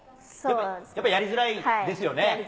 やっぱやりづらいですよね。